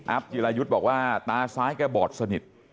จิรายุทธ์บอกว่าตาซ้ายแกบอดสนิท